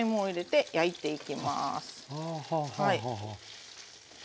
はい。